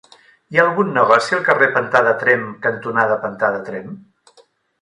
Hi ha algun negoci al carrer Pantà de Tremp cantonada Pantà de Tremp?